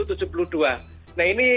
nah ini levelnya